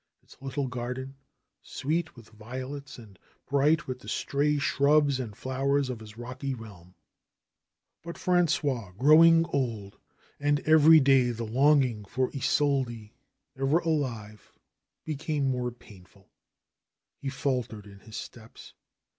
Its little garden, sweet with violets and bright with the stray shrubs and flowers of his rocky realm. But Frangois was growing old, and every day the long ing for Isolde, ever alive, became more painful. He fal tered in his steps.